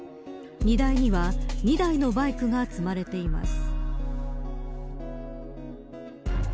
荷台には２台のバイクが積まれています。